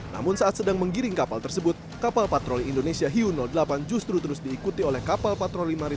namun saat sedang menggiring kapal tersebut kapal patroli indonesia hiu delapan justru terus diikuti oleh kapal patroli mario